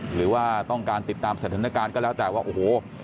หรือว่าต้องการติดตามสถานการณ์ก็แล้วแต่ว่าโอ้โห